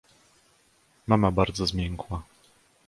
"Mama bardzo zmiękła."